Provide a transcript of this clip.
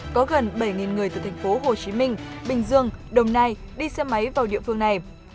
có gần bảy người từ thành phố hồ chí minh bình dương đồng nai đi xe máy vào địa phương này